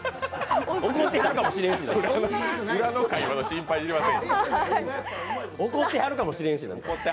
怒ってはるかもしれへんし。